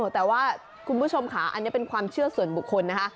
แต่ว่าคุณผู้ชมค่ะอันนี้เป็นความเชื่อส่วนบุคคลนะคะ